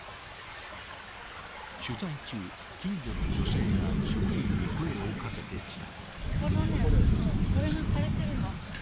取材中、近所の女性が職員に声をかけてきた。